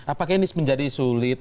apakah ini menjadi sulit